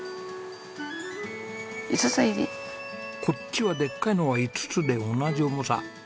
こっちはでっかいのが５つで同じ重さ。